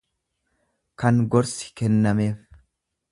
kan gorsi kennameef.